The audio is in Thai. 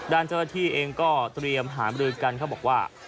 ด้านเจ้าหน้าที่เองก็เตรียมหามรือกันเขาบอกว่า